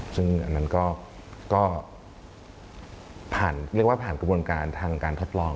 ซึ่งอันนั้นก็ผ่านกระบวนการทางการทดลอง